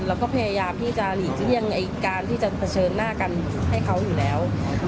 เราก็พยายามที่จะหลีกเลี่ยงการที่จะเผชิญหน้ากันให้เขาอยู่แล้ว